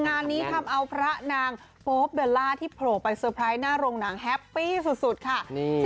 งานนี้ทำเอาพระนางโป๊บเดลล่าที่โผล่ไปน่าโรงหนังแฮปปี้สุดสุดค่ะนี่ค่ะ